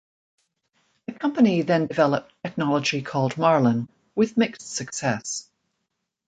The company then developed technology called Marlin, with mixed success.